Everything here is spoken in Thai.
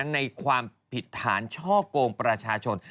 ในความผิดฐานช่อกงประชาชน